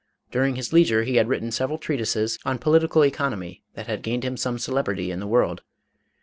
During his leisure he had written several treatises on political economy that had gained him some celebrity in the world.